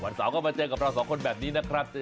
สาวก็มาเจอกับเราสองคนแบบนี้นะครับ